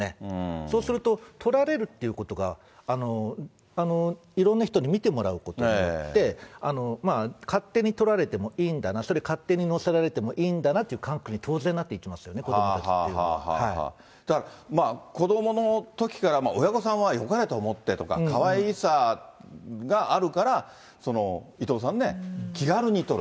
そうすると、撮られるっていうことが、いろんな人に見てもらうことによって、勝手に撮られてもいいんだな、それ、勝手に載せられてもいいんだなっていう感覚に当然なっていきますだから、子どものときから親御さんはよかれと思ってとか、かわいさがあるから伊藤さんね、気軽に撮る。